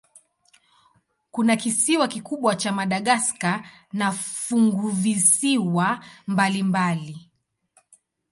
Kuna kisiwa kikubwa cha Madagaska na funguvisiwa mbalimbali.